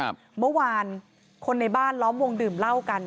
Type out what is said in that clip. เมื่อวานคนในบ้านล้อมวงดื่มเหล้ากัน